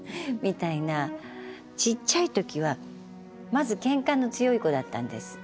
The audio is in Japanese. ちっちゃい時はまずケンカの強い子だったんです。